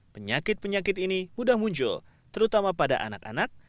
penyakit penyakit ini mudah muncul terutama pada anak anak